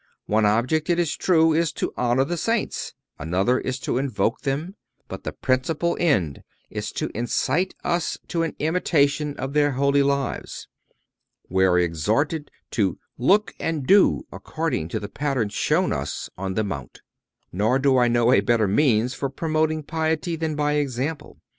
One object, it is true, is to honor the Saints; another is to invoke them; but the principal end is to incite us to an imitation of their holy lives. We are exhorted to "look and do according to the pattern shown us on the mount."(280) Nor do I know a better means for promoting piety than by example.